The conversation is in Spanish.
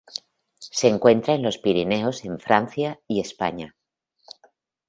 Se encuentra en los Pirineos en Francia y España.